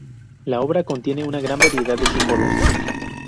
La obra contiene gran variedad de símbolos.